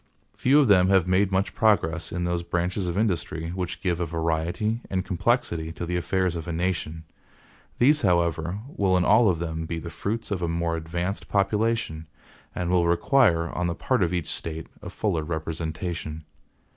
Few of them have made much progress in those branches of industry which give a variety and complexity to the affairs of a nation. These, however, will in all of them be the fruits of a more advanced population, and will require, on the part of each State, a fuller representation.